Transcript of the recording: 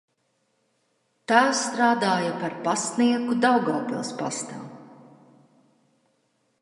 Tēvs strādāja par pastnieku Daugavpils pastā.